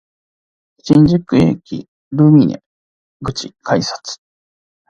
新宿駅ルミネ口改札